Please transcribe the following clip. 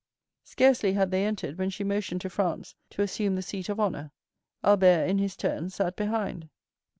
Scarcely had they entered, when she motioned to Franz to assume the seat of honor. Albert, in his turn, sat behind.